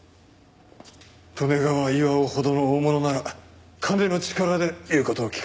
利根川巌ほどの大物なら金の力で言う事を聞かせたとか。